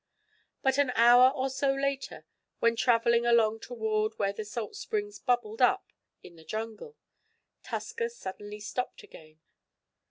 But an hour or so later, when traveling along toward where the salt springs bubbled up in the jungle, Tusker suddenly stopped again.